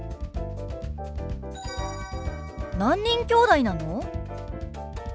何人きょうだいなの？